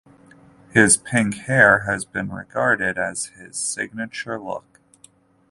His pink hair has been regarded as his signature look.